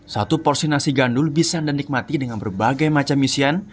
satu porsi nasi gandul bisa anda nikmati dengan berbagai macam isian